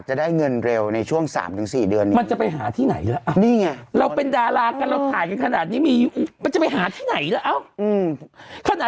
ฉันก็เรื่องเสื้อผ้าเป็นประเด็นเล็กแล้วล่ะ